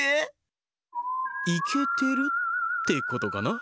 いけてるってことかな。